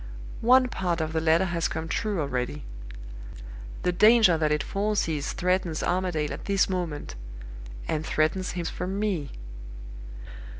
One part of the letter has come true already. The danger that it foresees threatens Armadale at this moment and threatens him from Me!